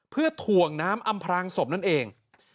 เพื่อถ่วงน้ำอำพรางศพนั่นเอง